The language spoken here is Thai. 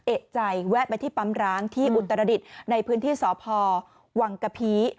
เอกใจแวะไปที่ปั๊มร้างที่อุตรดิษฐ์ในพื้นที่สพวังกะพี